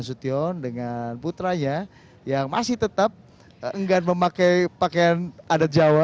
mas budha sution dengan putranya yang masih tetap enggak memakai pakaian adat jawa